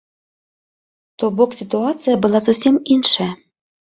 То бок сітуацыя была зусім іншая.